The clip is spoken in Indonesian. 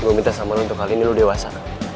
gue minta sama lo untuk kali ini lo dewasa